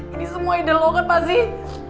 ini semua ide lo kan pak zy